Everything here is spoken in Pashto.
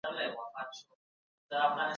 بهرنۍ پالیسي د ملي ګټو د تعریف پر بنسټ وي.